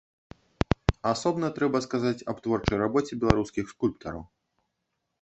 Асобна трэба сказаць аб творчай рабоце беларускіх скульптараў.